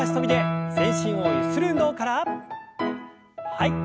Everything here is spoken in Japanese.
はい。